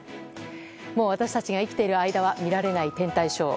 もう私たちが生きている間は見られない天体ショー。